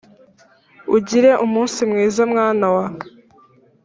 ugire umunsi mwiza mwana wa!